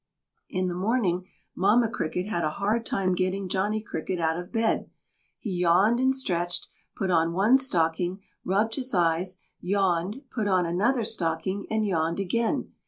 In the morning Mamma Cricket had a hard time getting Johnny Cricket out of bed. He yawned and stretched, put on one stocking, rubbed his eyes, yawned, put on another stocking and yawned again.